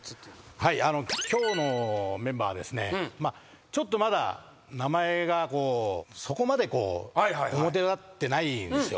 今日のメンバーはですねちょっとまだ名前がそこまで表立ってないんですよ。